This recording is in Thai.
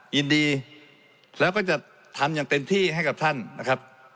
ยินดีแล้วก็จะทำอย่างเต็มที่ให้กับท่านนะครับ